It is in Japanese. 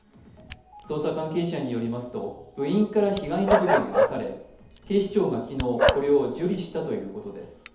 捜査関係者によりますと部員から被害届が出され警視庁が昨日、これを受理したということです。